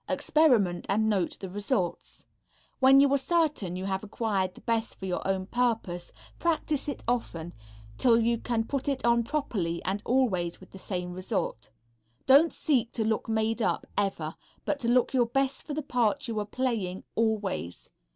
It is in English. Experiment, and note the results. When you are certain you have acquired the best for your own purposes, practice it often, till you can put it on properly and always with the same result. Don't seek to look made up, ever, but to look your best for the part you are playing, always.